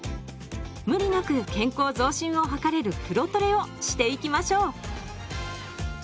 無理なく健康増進を図れる風呂トレをしていきましょう！